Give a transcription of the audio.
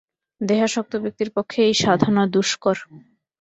দেহাসক্ত ব্যক্তির পক্ষে এই সাধনা দুষ্কর।